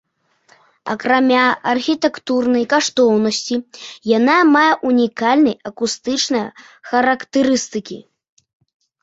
Акрамя архітэктурнай каштоўнасці, яна мае унікальныя акустычныя характарыстыкі.